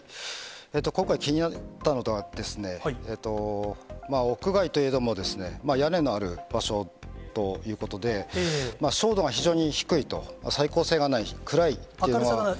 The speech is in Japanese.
今回、気になったことはですね、屋外といえども、屋根のある場所ということで、照度が非常に低いと、明るさがないと。